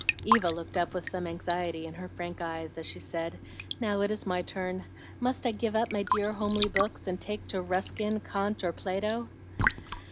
Eva looked up with some anxiety in her frank eyes as she said, "Now it is my turn. Must I give up my dear homely books, and take to Ruskin, Kant, or Plato?"